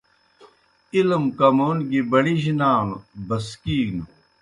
علم کمون گی بڑِجنانوْ بسکِینوْ